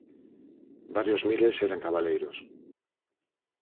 Varios miles eran cabaleiros.